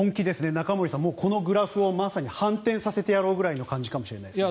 中森さん、このグラフをまさに反転させてやろうくらいの感じかもしれないですね。